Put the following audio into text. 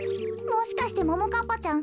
もしかしてももかっぱちゃん